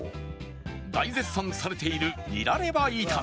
大絶賛されているニラレバいため